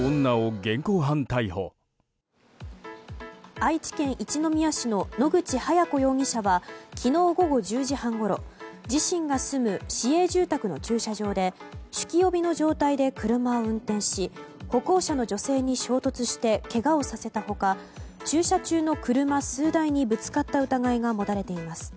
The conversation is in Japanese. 愛知県一宮市の野口早子容疑者は昨日午後１０時半ごろ自身が住む市営住宅の駐車場で酒気帯びの状態で車を運転し歩行者の女性に衝突してけがをさせた他駐車中の車数台にぶつかった疑いが持たれています。